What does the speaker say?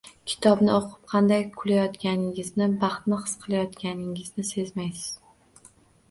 Kitobni o‘qib qanday kulayotganingizni, baxtni his qilayotganingizni sezmaysiz